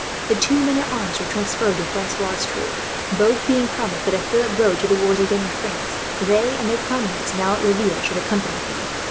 The two men at arms were transferred to Francois' troop, both being promised that, if Philip rode to the wars again in France, they and their comrades now at Laville should accompany him.